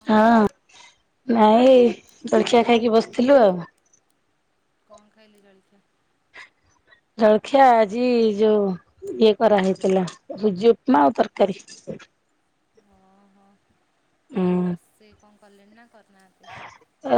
କଣ ହଁ କରୁଛନ୍ତି? ନାଇଁ। ଜଳଖିଆ ଖାଇକି ବସିଥିଲୁ ଆଉ। କଣ ଖାଇଲେ ଜଳଖିଆ? ଜଳଖିଆ ଆଜି ଯଉ ଇଏ କରାହଇଥିଲା ଭୁଜି ଉପମା ଆଉ ତରକାରୀ। ଓହୋ ହୁଁ ଆଉ ରୋସେ କଣ କଲେଣି ନା? କରିନାହାନ୍ତି?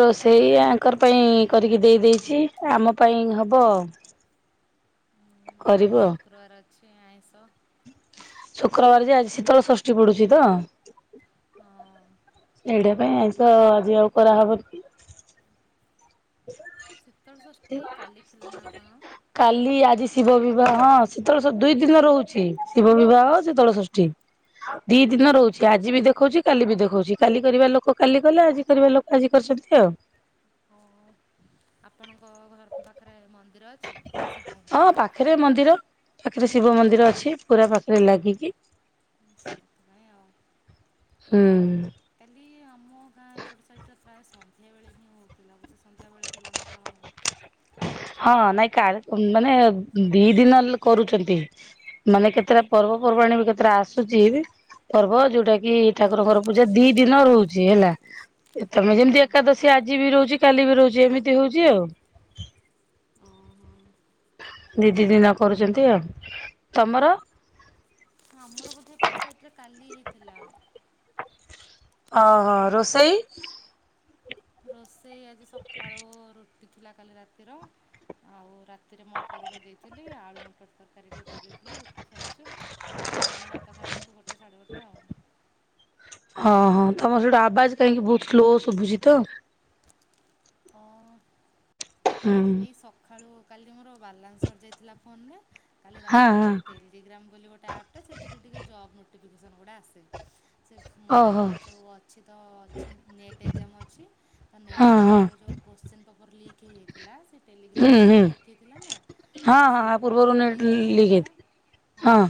ରୋଷେଇ ଆ ତାଙ୍କର ପାଇଁ କରିକି ଦେଇ ଦେଇଚି ଆମ ପାଇଁ ହବ। ହଁ କରିବୁ ଆଜି ଆଉ। ଶୁକ୍ରବାର ଅ ଛି ଆଇଁଷ। ଶୁକ୍ରବାର ଯେ ଆଜି ଶୀତଳ ଷଷ୍ଠୀ ପଡୁଚି ତ। ହଁ ଏଇଟା ପାଇଁ ଆଇଁଷ ଆଜି ଆଉ କରାହବନି। ଶୀତଳ ଷଷ୍ଠୀ କାଲି ଥିଲା ନା କଣ? [inaudible] କାଲି ଆଜି। ଶିବ ବିବାହ ହଁ ଶୀତଳ ଦୁଇ ଦିନ ରହୁଚି, ଶିବ ବିବାହ ଶୀତଳ ଷଷ୍ଠୀ। ଦି ଦିନ ଓହୋ ରହୁଛି ଆଜି ବି ଦେଖଉଚି କାଲି ବି ଦେଖଉଚି କାଲି କରିବା ଲୋକ କାଲି କଲେ ଆଜି କରିବା ଲୋକ ଆଜି କରିଛନ୍ତି ଆଉ। ହ ଆପଣଙ୍କ ଘର ପାଖରେ ମ ନ୍ଦିର ଅଛି? ସେ ବହୁତ ହଁ ପାଖରେ ମନ୍ଦିର ପାଖରେ ଶିବ ମନ୍ଦିର ଅଛି ପୁରା ପାଖରେ ଲାଗିକି। ସେଇଥି ପାଇଁ ଆଉ। ହୁଁ। କାଲି ଆମ ଗାଁ ଏପଟ ଶାଇଟ୍ ପ୍ରାୟ ସନ୍ଧ୍ୟା ବେଳେ ହିଁ ହଉଥିଲା ବୋଧେ ସନ୍ଧ୍ୟା ବେଳେ ଥିଲା ନା କଣ? ହଁ ନାଇଁ କାଲି ମାନେ ଦି ଦିନ କରୁଚନ୍ତି, ମାନେ କେତେଟା ପର୍ବପର୍ବାଣ ବି କେତେଟା ଆସୁଚି ପର୍ବ ଯୋଉଟା କି ହଁ କି ଠାକୁରଙ୍କର ସେଗୁଡ଼ାକ ପୂଜା ଦି ଯୋଉ ଦିନ ବେଳା ରହୁଚି ହେଲା। ତମେ ଯେମିତି ହଁ ଏକାଦଶୀ ଆଜି ବି ରହୁଚି କାଲି ବି ରହୁଚି। ଯେ ଏମିତି ହଉଚି ଆଉ। ଓହୋ ଦି ଦିନ କରୁଚନ୍ତି ଆଉ। ତମର? ଆମର ବୋଧେ ଏପଟେ ସାଇଟ୍ ରେ କାଲି ହେଇଥିଲା। ହଁ ହଁ ରୋଷେଇ? ରୋଷେଇ ଆଜି ସକାଳୁ ରୁଟି ଥିଲା କାଲି ରାତିର। ଆଉ ତିରେ ମଟର ଭେଦେଇଥିଲି, ଆଳୁ ମଟର ତରକାରି ଟିକେ କରିଦେଇଥିଲୁ, ରୁଟି ଖାଇଚୂ। ପୁଣି ଭାତ ଖାଇଲା ବେଳକୁ ଗୋଟେ ସାଢ଼େ ଗୋଟେ ଆଉ। ହଁ ହଁ ତମର ସେଇଟୁ ଆବାଜ କାହିଁକି ବହୁତ ସ୍ଲୋ ଶୁଭୁଛି ତ ହଁ। ହୁଁ ଏଇ ସକାଳୁ କାଲି ମୋର ବାଲାନ୍ସ ସଡରିଯାଇଥିଲା ଫୋନ୍ ରେ କାଲି ହଁ ରାତିରେ ହଁ ଟେଲିଗ୍ରାମ ବୋଲି ଗୋଟେ ଆପ୍ ଟା ସେଥିରେ ଟିକେ ଜବ୍ ଲିଭିଜନ ଗୁଡା ଆସେ। ସେ ମାନେ ଓହୋ ଯଉ ଅଛି ତ, ଅଛି ନେଟ ଏକଜାମ ଅଛି, ତ ନେଟ ହଁ ହଁ। ଏକଜାମ ର ଯଉ କୋଷ୍ଚିନ ପେପର୍ ଲିକ୍ ହେଇ ଥିଲା ସେ [inaudible] [inaudible] ହୁଁ ହୁଁ ହଁ ହଁ ଆ ପୂର୍ବରୁ ନେଟ୍ ଲିକ୍ ହେଇଥିଲା ହଁ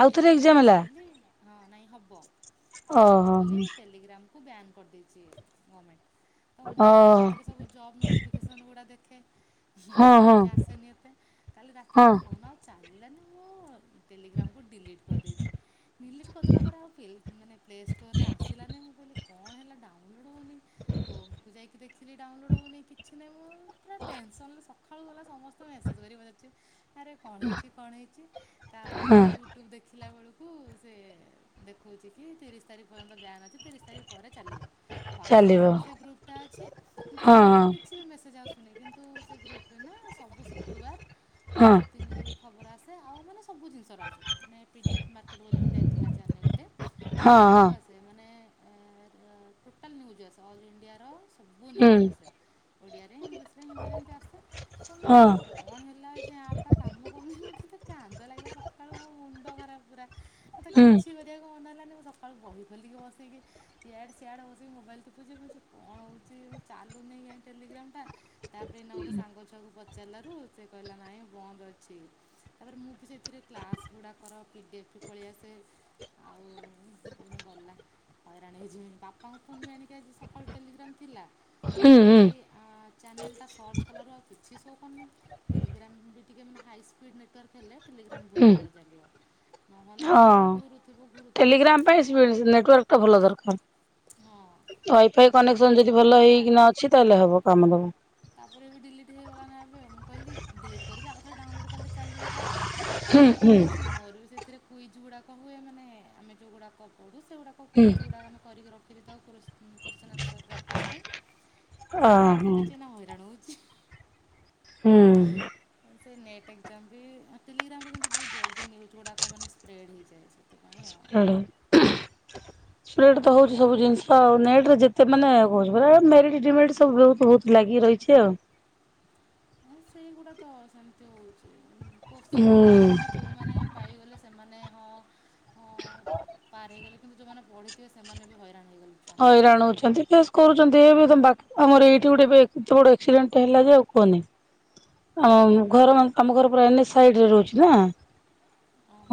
ଆଉଥରେ ଏକ୍ଜାମ ହେଲା। ଓହୋ ଓ [inaudible] [inaudible] [inaudible] ହଁ ହଁ [inaudible] ହଁ [inaudible] [inaudible] [inaudible] ପୁରା [inaudible] ହଁ [inaudible] [inaudible] ଚାଲିବ ହଁ [inaudible] ହଁ [inaudible] ହଁ [inaudible] ହଁ ହଁ [inaudible] [inaudible] ହୁଁ। ନ୍ୟୁଜ୍ ହଁ [inaudible] ହୁଁ [inaudible] [inaudible] [inaudible] ଚାଲାରୁ ସେ କହିଲା ନାଇଁ ବନ୍ଦ ଅଛି ତାପରେ ମୁଁ ବି ସେଇଥିରେ କ୍ଲାସ ଗୁଡାକ କର ପି ଏଫ୍ ପଳ ଆସେ ଆଉ କେଗଲା ହଇରାଣ ହେଇଯିବ ବାପାଙ୍କ ଫୋନ୍ ବି ଆଣିକି ଆଜି ସକାଳୁ ଟେଲିଗ୍ରାମ୍। ଥିଲା। ହୁଁ ହୁଁ। ସେ ଚ୍ୟାନେଲଟା ସର୍ଚ୍ଚ କଲାରୁ ଆଉ କିଛି ସବ କମ ଟେଲିଗ୍ରାମ୍ ବି ଟିକେ ମାନେ ହାଇ ସ୍ପିଡ଼୍ ନେଟୱାର୍କ। ହେଲେ ଟେଲିଗ୍ରାମ ହୁଁ ବହୁତ ଭଲ ଚାାଗିବ ନହେଲେ ସିଏ ହଁ ଘୁରୁଥିବ ଘୁରୁଥିବ। ଟେଲିଗ୍ରାମ ପାଇଁ ସ୍ପିଡ ନେଟୱାର୍କ ଟା ଭଲ ଦରକାର। ହଁ ୱାଇଫାଇ ମୁଁ କହିଲି କନେକ୍ସନ ଯଦି କଣ ଭଲ ହେଲା ହେଇକିନା ଅଛି ତାହେଲେ ହବ କାମ ଦବ। ତାପରେ ବି ିଲିଟ୍ ହେଇଗଲା ନା ଏବେ ମୁଁ କହିଲି ଡିଲଟ କରିକ ଆଉଥରେ ଡାଉନଲୋଡ଼୍ କଲେ ଚାଲିବ କାଳେ। ହୁଁ ଡିଲିଟ ହୁଁ କରିଦେଇଛି ମୋର ବି ସେଥିରେ କୁଇ ଯେଉଗୁଡ଼ାକ ହୁଏ ମାନେ ଆମେ ଯେଉଁଗୁଡ଼ାକ ପଡ଼ୁ। ଗୁାକ ହୁଁ ଗୁଡାକମେ କରିି ର। ଫ ତାଉ ପୁରସ୍କାର। କ୍ୱାସଚିନି ଆନସାର ପ୍ରାକ୍ଟିସ୍ ପାଇଁ ଅ ଡିଲିଡ ରଣୁଜ [unintelligible] ହୁଁ। ସେ ନେଟ୍ ଏକ୍ଜମ୍ ବି ଟେଲିଗ୍ରାମରେ କିନ୍ତୁ ବହୁତ ଜ୍ଦି ନ୍ୟୁଜ୍ଗୁଡ଼ାକ ମେ ସ୍ପ୍ରେଡ଼ ହେଇଯାଏ ସେଥି ପ୍ରେ ତ ହଉଛି ସବୁ ଜିନିଷ ନେଟରେ ଯେତେ ମାନେ କହୁ ପ ମଡି ସବୁ ବ ବହୁ ଲାଗି ରହିଛି ଆଉ। ସେଇଗୁଡା ତ ସେମିତି ହଉଛି। କୋଶ୍ଚିନ୍ ହୁଁ। ପେପର୍ ସିନା ଯଉଁମାନେ ପାଇଗଲେ ସେମାନେ ହଁ ହଁ ପାର ହେଇଗଲେ। କିନ୍ତୁ ଯେଉଁମାନେ ପଢ଼ିଥିବେ ସେମାନେ ବି ହଇରାଣ। ହେଇଗଲେ ଛୁଆଙ୍କ ସହିତ। ହଇରାଣ ହଉଛନ୍ତି ଫେଶସ୍ କରୁଛନ୍ତି ଏ ବି ତ ବା। [unintelligible] ଆମର ଏଇଠି ଗୋଟେ ଏବେ ଏତେ ବଡ ଆକ୍ସିଡେଣ୍ଟ ହେଲା ଯେ ଆଉ କୁହନି ଆମ ଘର ଆମ ଘର ପୁରା ଏନ ସାଇଡରେ ରହୁଛି ନା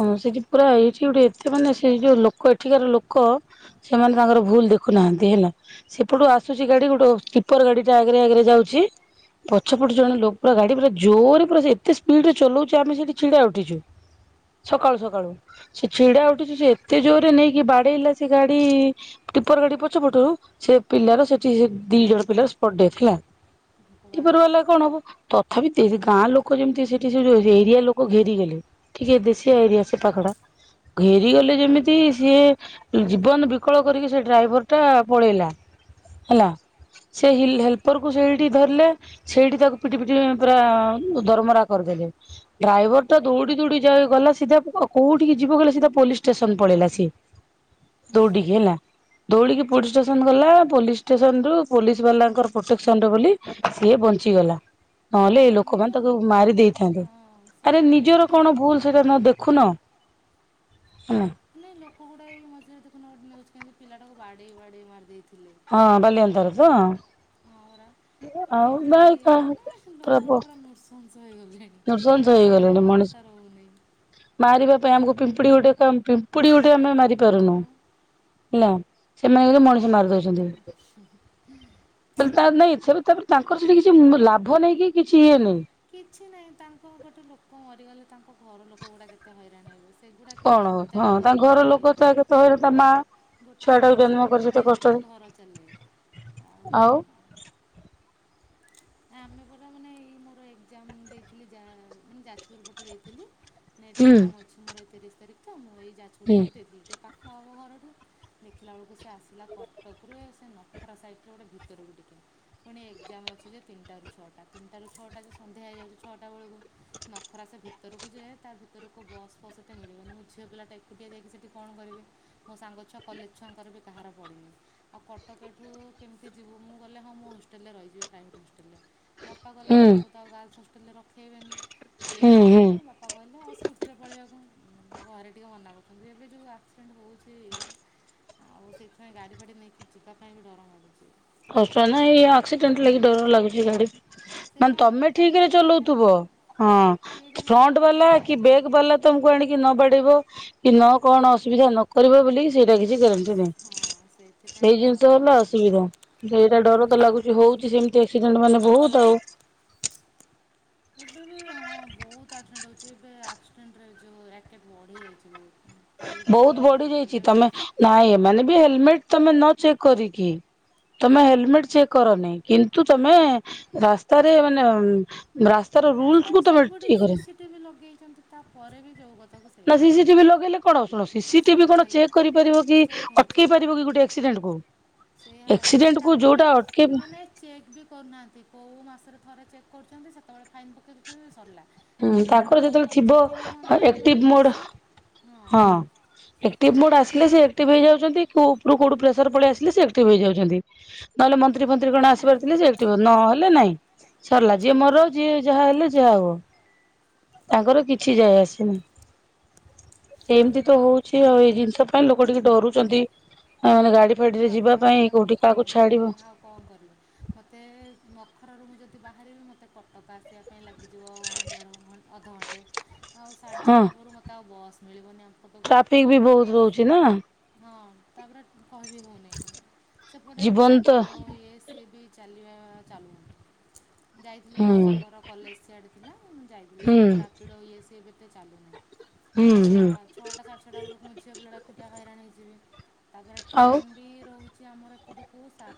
ହଁ ସେଠି ପୁରା ଏଇଠି ଗୋଟେ ଏତେ ମାନେ ସେ ଯୋଉ ଲୋକ ଏଠିକାର ଲୋକ ସେମାନେ ତାଙ୍କର ଭୁଲ ଦେଖୁନାହାନ୍ତି ହେଲା ସେପଟୁ ଆସୁଛି ଗାଡି ଗୋଟେ ସ୍ଲିପର ଗାଡି ଟା ଆଗରେ ଆଗରେ ଯାଉଛି ପଛପଟ ଜଣେ ଲୋକ ପୁରା ଗାଡି ପୁରା ଜୋରରେ ପୁରା ଏତେ ସ୍ପିଡରେ ଚଲାଉଛି ଆମେ ସେଠି ଛିଡା ଉଠିଛୁ ସକାଳୁ ସକାଳୁ ସେ ଛିଡା ଉଠିଛୁ ସେ ଏତେ ଜୋରରେ ନେଇକି ବାଡେଇଲା ସେ ଗାଡି ଟିପର ଗାଡି ପଛ ପଟରୁ ସେ ପିଲାର ସେଠି ଦି ଜଣ ପିଲାର ସ୍ପଟଡେଥ ହେଲା। ଆଚ୍ଛା ଭଗବାନ ଏପରି ଭଲା କଣ ହବ? ତଥାପି ଗାଁ ଲୋକ ଯେମିତି ସେଠି ସେ ଏରିଆ ଲୋକ ଘେରିଗଲେ କହିଲେ ଦେଶିଆ ଏରିଆ ସେ ପାଖଡା ଘେରିଗଲେ ଯେମିତି ସିଏ ଜୀବନ ବିକଳ କରିକି ସେ ଡ୍ରାଇଭର ଟା ପଳେଇଲା ହେଲା ସେ ହିଲ ହେଲ୍ପର କୁ ସେଇଠି ଧରିଲେ ସେଇଠି ତାକୁ ପିଟି ପିଟି ପୁରା ଦରମରା କରିଦେଲେ ଡ୍ରାଇଭର ଦୌଡ଼ି ଦୌଡି ଭଗବାନ। ଯାଇ ଗଲା ସିଧା କୋଉଠିକି ଯିବ କହିଲ ସିଧା ପୋଲିସ ଷ୍ଟେସନ ପଳେଇଲା ସିଏ। ଦୌଡିକି ହେଲା। ଦୌଡିକି ପୋଲିସ ଷ୍ଟେସନ ଗଲା ପୋଲିସ ଷ୍ଟେସନ ରୁ ପୋଲିସ ବାଲାଙ୍କର ପ୍ରୋଟେକସନରେ ବୋଲି ସିଏ ବଞ୍ଚିଗଲା। ନହେଲେ ହଁ ଏଇ ମାନେ ଲୋକମାନେ ତାକୁ ଲୋକ ମାରି ଦେଇେଇଥାନ୍ତେ ହଁ ସେ ଆରେ ତ ମାନେ ନିଜର କଣ ଭୁଲ ସେଇଟା ନ ଦେଖୁନାହାନ୍ତି। ଦେଖୁନ। ହେଲା। ନାଇଁ ଲୋକ ଗୁଡା ଏଇ ମଝିରେ କିନ୍ତୁ ପିଲାଟାକୁ ବାଡ଼େଇ ବାଡ଼େଇ ମାରି ଦେଇେଥିଲେ। ହଁ ବାଲି ଅତାର ତ। ହଁ ଆଉ କେତେ ଭାଇ ମାନେ ଲୋକ ଗୁଡା ପୁରା ମସନ୍ତି। ଦୃସଂସ ହେଇଗଲେଣି ମଣିଷ ରହୁନି ମାରିବା। ଆମକୁ ପିମ୍ପୁଡି ଗୋଟିଏ ପିମ୍ପୁଡି। ତମେ ମାରି ହଁ ପାରନୁ। ବା ହେଲା ସେ ସେମାନେ ମଣିଷ କେମିତି ମାରିଦଉଛନ୍ତି ତା ନାଇଁ ଏଥିରେ। ତାଙ୍କର ସେଠି କିଛି ଲାଭ ନେଇଁକି କିଛି ଇଏ ନାହିଁ। କିଛି ନାଇଁ ତା- ଗୋଟେ ଲୋକ ମରିଗଲେ ତାଙ୍କ ଘର ଲୋକ ଗୁଡ଼ା କେତେ ହଇରାଣ ହେଵେ। କଣ ହଁ ତାଙ୍କ ଘର ଲୋକ ତ କେତେ ହ ତା ମା ଗୋଟେ ଛୁଆ ଟାକୁ ପୁରୁଷ ଜନ୍ମ ଲୋକ କରିଛି ଏତେ ପାଇଁ ଗୋଟେ ଘର ଚାଲେ କଷ୍ଟରେ ଆଉ। ଆମେ ପରା ମାନେ ଏ ମୋର ଏଜାମ ଦେଇଥିଲି ଯା ମାନେ ଯାଜପୁର ପଟେ ଦେଇଥିଲି। ନେଟ ହୁଁ ଏକ୍ଜାମ ଅଛି ମୋର ତରିଶ ତାରିଖ। [unintelligible] [unintelligible] ହ ଘର ହୁଁ ତୁ ଦେଖିଲା ବଳୁ। ସେ ଆସିଲା କଟକରୁ ସେ ନ- ଖରା ସାଇଟରେ ଗୋଟେ ଭିତରକୁ ଟିକେ ପୁଣି ଏକ୍ଜାମ୍ ଅଛି ଯେ। ତିନିଟାରୁ ଛଅଟା। ତିନିଟାରୁ ଛଅଟା ସନ୍ଧ୍ୟା ହୋଇଯାଉଛି ଛଅଟା ବଳକୁ। ନଖରା ସେ ଭିତ୍ ଭିତରକୁ ଯେ ତା ଭିତରକୁ ବସ୍ ଫସ୍ ଏତେ ମିଳିବନି ମୁଁ ଝିଅ ପିଲାଟା ଏକୁଟିଆ ଯକି ସେଠି କଣ କରିବି ମୋ ସାଙ୍ଗ ଛୁଆ କଲେଜ ଛୁଆଙ୍କର କାହାର ପଡ଼ିନି ଆଉ କଟକ ଏଠୁ କେମିତି ଯିବୁ ମୁଁ ଗଲେ ହଁ ମୁଁ ହଷ୍ଟେଲରେ ରହିିବି ପ୍ରାଇମ୍ ଟେ ବାପା ଗଲେ ହୁଁ ବାପାଙ୍କୁ ତ ଆଉ ଗାଲ୍ସ ତାହାଲେ ରଖ ଖେଇବେନି ହୁଁ ସେଥିନାଗି ହୁଁ। ବାପା କହିଲେ ଆଉ ସ୍କୁଟିରେ ପଳେଇବାକୁ ଘରେ ଟିକେ ମନା କରୁଚନ୍ତି ଏବେ ଯେଉଁ ଆକ୍ସିଡେଣ୍ଟ ହେଉଚି ଆଉ ସେଇଥିପାଇଁ ଗାଡ଼ି ଫାଡ଼ି ନେଇକି ଯିବା ପାଇଁ ବି ଡର ମାରୁଚି। କଷ୍ଟ ନାଇ ଏଇ ଆକ୍ସିଡେଣ୍ଟ ଲାଗି ଡର ଲାଗୁଚି ଗାଡି। ସେ ମାନେ ବା ତମେ ଠିକ ରେ ଠିକ୍ ହଁ ଚଲଉଥିବ ହଁ କିଏ ଯଦି ଆଣିକି ଫ୍ରଣ୍ଟ ବାଲା ବାଡ଼େଇବ ଆଉ କି କ'ଣ ବ୍ୟାକ୍ ବାଲା କହିବ ତମକୁ ଆଣିକି ନ ବାଡିବ। କି ନ କଣ ଅସୁବିଧା ନ କରିବ ବୋଲି ସେଇଟା କିଛି ଗ୍ୟାରେଣ୍ଟି ନାହିଁ ହଁ ସେଇଥିପାଇଁ ସେଇ ଡର ଜିନିଷ ହେଲା ଲାଗୁଛି ଅସୁବିଧା। ଯିବାକୁ ସେଇଟା ଡର ତ ଲାଗୁଛି ହଉଚି ସେମିତି ଆକ୍ସିଡେଣ୍ଟ ମାନେ ବହୁତ ଆଉ। ଏବେ ବି ହଁ ବହୁତ ଆକ୍ସିଡେଣ୍ଟ ହଉଛି ଏବେ ଆକ୍ଡେଣ୍ଟରେ ଯୋଉେ [unintelligible] ବଢି ଯାଇଚି ବହୁତ। କାଲି ପରଦିନ ବହୁତ ନ୍ୟୁଜ୍ ବଢି ଯାଇଚି ଦେଖୁଥିଲେ ତମେ ନାଇଁ ଏମାନେ ବି ହେଲମେଟ ତମେ ନ ଚେକ୍ କରିକି ତମେ ହେଲମେଟ ଚେକ୍ କରନି କିନ୍ତୁ ତମେ ରାସ୍ତାରେ ମାନେ ରାସ୍ତାର ରୁଲସ ରାସ୍ତାରେ କୁ ତମେ ସବୁଠି ଇଏ କର। ସିସିଟିଭି ଲଗେଇଛନ୍ତି ତାପରେ ବି ଯେଉଁ କଥାକୁ ସେଇ ନା କଥା ସିସି ଟିଭି ଲଗେଇଲେ କଣ ଶୁଣ ସିସି ଟିଭି ସେଇଆ କଣ ହେଲା ଚେକ୍ କରିପାରିବ କି ଅଟକେଇ ପାରିବ କି ଗୋଟେ ଆକ୍ସିଡେଣ୍ଟ କୁ? ସେଇ ହେଲା ଆକ୍ସିଡେଣ୍ଟ ନାଇଁ କୁ ତାପରେ ବି ଯୋଉଟା ଅଟକେଇ ଏମାନେ ଚେକ୍ ବି କରୁନାହାନ୍ତି। କୋଉ ମାସରେ ଥରେ ଚେକ୍ କରୁଛନ୍ତି ସେତେବେଳେ ଫାଇନ୍ ପକେଇ ଦଉଛନ୍ତି ସରିଲା ହୁଁ ଯଦି ପୁରା ତାଙ୍କର ଯେତେବେଳେ ପ୍ରପର୍ ଥିବ ଚେକିଂ ହୁଅନ୍ତା ହେଲମେଟ୍ ଏକ୍ଟିଭ ଇଏ ମୁଡ। ସିଏ ହଁ ଏକ୍ଟିଭ ମୁଡ ଆସ ସେ ଆକ୍ଟିଭ ହେଇଯାଉଛନ୍ତି। କୋଉ ଉପରୁ କୋଉଠୁ ପ୍ରେସର ପଳେଇ ଆସିଲେ ସେ ଆକ୍ଟିଭ ହେଇଯାଉଛନ୍ତି। ନହେଲେ ମନ୍ତ୍ରୀ ଫନ୍ତ୍ରୀ ହେଲେ କଣ ନାହିଁ ଆସିବାରଥିଲେ ଯେ ଏକଟିଭ ହଉଛନ୍ତି ନ ହେଲେ ନାଇଁ ସରିଲା ଯିଏ ହଁ ମର ପରା ଯିଏ ଯାହା ହେଲେ ଯାହା ହବ ତାଙ୍କର କିଛି ଯାଜ ଆସେ ନାହିଁ। ଏମିତି ତ ହଉଛି ଆଉ ଏଇ ଜିନିଷ ପାଇଁ ଲୋକ ଟିକେ ଡରୁଛନ୍ତି। ମାନେ ଗାଡି ମୋ ଫାଡିରେ ଯିବା ବାପା ପାଇଁ ସେଇଆ କୋଉଠି କହୁଥିଲେ କାହାକୁ ହେଲେ ଛାଡିବ ଆଉ କଣ କରିବି ମୋତେ ଘରରୁ ମୁଁ ଯଦି ବାହାରିବି ମୋତେ କଟକ ଆସିବା ପାଇଁ ଲାଗି - ଅଧ ଘଣ୍ଟେ ଆଉ ସାଢେ ହଁ। ଛଅଟା ପୂରୁବରୁ ମୋତେ ଆଉ ବସ୍ ମିଳିବନି ଆମ କଟଟକୁ। ଟ୍ରାଫିକ ବି ବହୁତ ରହୁଛି ନା ହଁ ତାପରେ [inaudible] ଜୀବନ ତ ଚାଲି ଚାଲୁ ଯାଇଥିଲି ମୋର ହୁଁ ଗୋଟେ ସାଙ୍ଗର କଲେଜ ସିଆଡ଼େ ଥିଲା ମୁଁ ଯାଇଥିଲି ହୁଁ ସେପଟେ। ରାପିଡ଼ୋ ହୋଇ ଆସି ଏବେ ତେ ଚାଲୁହିଁ [inaudible] ହୁଁ ତ ହୁଁ ଛଅଟା ସାତ ଅଟା ବେଳକୁ ମୁଁ ଯିବେ ବୁଲାକୁୁଟିଆ ଖାଇରା ନେଇଯିବି [inaudible] ଆଉ ଆମର ଏପଟୁ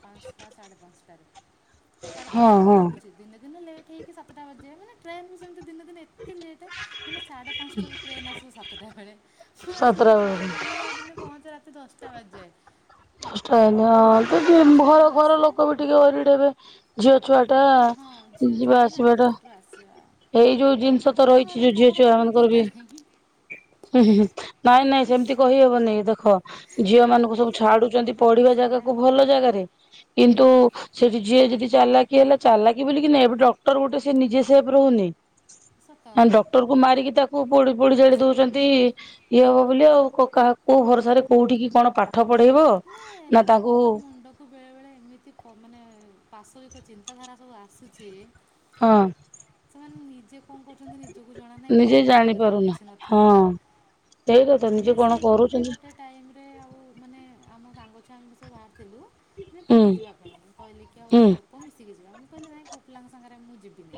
ପାଞ୍ଚଟା ସାଢ଼େ ପାଞ୍ଚଟାରେ ସାଢ଼େ ହଁ ପାଞ୍ଚଟାରେ ହଁ ରହୁଛି। ଦିନେ ଦିନେ ଲେଟ୍ ହେଇକି ସାତଟା ବାଜିଯାଏ ମାନେ ଟ୍ରେନ ସେମିତି ଏତେ ଲେଟ ମାନେ ସାଢ଼େ ପାଞ୍ଚଟାରୁ ଟ୍ରେନ୍ ଆସିବ ସାତଟା ବେଳେ ମୁଁ ଆସିକି ସାତଟା ବେଳକୁ ଘରେ ଦିନେ ଦିନେ ପହଞ୍ଚ ରାତି ଦଶଟା ବାଜିଥାଏ। ଚେଷ୍ଟା ହେଇନି ହଁ ଘର ହଷ୍ଟେଲରୁ ଘର ଆସେ ଲୋକ ବି ଟିକେ ଓରିଡ ହେବେ ଝିଅ ଛୁଆ ଟ [inaudible] ହଁ ଝିଅ ଛୁଆ ଟା ନା ଏତେ ବାଟରୁ ଆସିବା ଏଇ ଯୋଉ ଜିନିଷ ତ ଆମ ଘର ରହିଛି ଯୋଉ ଝିଅ ଲୋକଙ୍କର ମୋ ଛୁଆ ପାଇଁ ମାନଙ୍କର ଚିନ୍ତା ବି ନାହିଁ ହୁଁ ହୁଁ ନାଇଁ ନାଇଁ ସେମିତି କହିହବନି ଦେଖ ଝିଅ ମାନେ ମାନଙ୍କୁ ସବୁ ଛାଡୁଛନ୍ତି ହଁ ପଢିବା ସେଇଆ ଜାଗାକୁ ହେଲା ଭଲ ଟିକେ ଜାଗାରେ କିନ୍ତୁ ହଁ ସେଠି ଝିଅ ଯଦି ଚାଲଲା କିି ହେଲା ଚାଲାକ କି ବୋଲି ନା ଏବେ ଡକ୍ଟର ଗୋଟେ ସେ ନିଜେ ସେ ଭଭରନି ସତ [inaudible] ହ କଥା ଡକ୍ଟର କୁ ମାରିକି ତାକୁ ପୋଡି ପୋଡି ଜାଳି ଦଉଛନ୍ତି। ଇଏ ହବ ବୋଲି ଆଉ କାହା କୋଉ ଭରସାରେ କୋଉଠିିକି କଣ ପାଠ ପଢେଇବ। ନା ଲୋକଙ୍କ ମୁଣ୍ଡକୁ ବେଳେ ବେଳେ ଏମିତି ମାନେ ପାସ ଚନ୍ତାଧାରା ସବୁ ଆସୁଛି ହଁ ସେମାନେ ନିଜେ କଣ କରୁଛନ୍ତି ନିଜକୁ ଜଣା ନାହିଁ ନିଜେ ପରେ ଜାଣି ଭାବିଲେ ତ ଆଉ ପାରୁନା କିଛି ନଥିବ ନା ହଁ। ସେଇଟା ତ ମାନ ନିଜେ କଣ ସେଇ ଗୋଟେ କରୁଛନ୍ତି ଗୋଟେ ଟାଇମରେ ଆଉ ମାନେ ଆମ ସାଙ୍ଗ ଛୁଆଙ୍କ ସବୁ ବହାଘର ଥିଲୁ ମାନେ ହୁଁ ପୁରୀ ଯିବା ପାଇଁ କହିଲେ କି ଆଉ ହୁଁ ଝିଅ ପୁଅ ମିଶିକି ଯିବେ। ମୁଁ କହିଲି ନାଇଁ ମୁଁ ପୁଅ ପିଲାଙ୍କ ସାଙ୍ଗରେ ଯିବିନି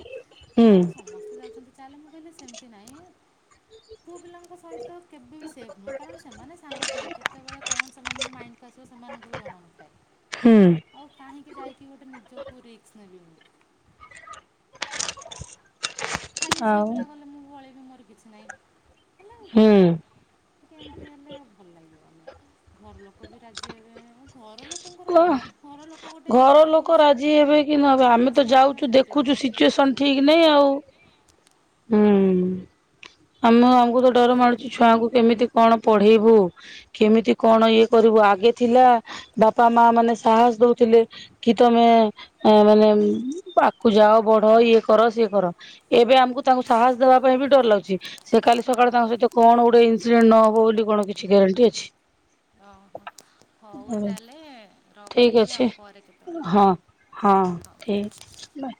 ହୁଁ କହିଲା ଆଉ ସମସ୍ତେ ଯାଉଛନ୍ତି ଚାଲେ ମୁଁ କହିଲେ ସେମିତି ନାହିଁ। ପୁଅ ପିଲାଙ୍କ ସହିତ କେବେ ବି ସେଫ୍ ନୁହଁ କାରଣ ସେମାନେ ସାଙ୍ଗ ପିଲା କେତେବେଳେ କଣ [unintelligible] ହୁଁ। [unintelligible] ଏଠ ଗୋଟେ ନିଜକୁ ରେକ୍ସ ନେବି ମୁଁ। ଖାଲି ଝିଅ ଆଉ ପିଲା କଲେ ମୁଁ ପ ବି। ତୁମର କିଛି ନାଇଁ। ହେଲେ ହୁଁ ଏମିତି ହେଲେ ଭଲ ଲାଗିବନି। ଘର ଲୋକ ବି ରାଜି ହେବେଘର ଲୋକ କୁହ ଗୋଟେ ଘର ଛୁଆକୁ ଲୋକ ବିଶ୍ୱାସ ରାଜି ହେବେକି? କି ନ ଆମେ ବିଶ୍ୱାସ ତ କରିଦେବେ ଯାଉଛୁ ସେମିତି ଦେଖୁଛୁ ନୁହଁ କି ମୋ ସିଚୁଏସନ ପୁଅ ଠିକ ନାଁ ସେମିତି ହିଁ ଆଉ ନୁହଁ ହୁଁ। ହୁଁ। କାମ ଆଉ। ବହୁତ ଡରମାରୁୁଛି ସେଇଥିପାଇଁ। ଛୁଆଙ୍କୁ କେମିତି କଣ ପଢି ପଢେଇବୁ କେମିତି କଣ ଇଏ କରିବୁ ଆଗେ ଥିଲା ବାପା ମା ମାନେ ସାହସ ଦଉଥିଲେ କି ତମେ ମାନେ ଆକୁ ଯାଅ ବଢ ଇଏ କର ସିଏ କର ଏବେ ଆମକୁ ତାଙ୍କୁ ସାହସ ଦବା ପାଇଁ ବି ଡର ଲାଗୁଛି। ସେ କାଲି ସକାଳେ ତାଙ୍କ ହଁ ସହିତ କଣ ଗୋଟେ ଇନସିଡେଣ୍ଟ ନହବ ବୋଲି କଣ କିଛି ଗ୍ୟାରେଣ୍ଟି ଅଛି? ଓହୋ ହଉ ତାହେଲେ ଠିକ ରଖୁଛି ଆଉ ଅଛି ପରେ କେତେବେଳେ ହଁ କରିବି ହଁ ହଉ। ଠିକ।